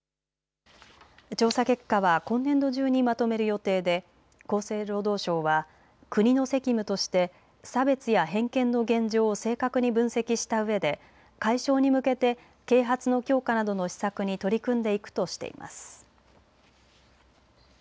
調査結果は今年度中にまとめる予定で厚生労働省は国の責務として差別や偏見の現状を正確に分析したうえで解消に向けて啓発の強化などの施策に取り組んでいくとしています。